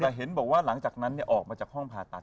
แต่เห็นบอกว่าหลังจากนั้นออกมาจากห้องผ่าตัด